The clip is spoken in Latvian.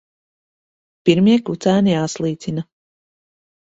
Pirmie kucēni jāslīcina.